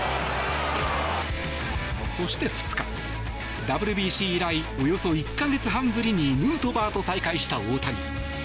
そして２日、ＷＢＣ以来およそ１か月半ぶりにヌートバーと再会した大谷。